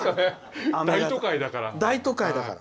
大都会だから。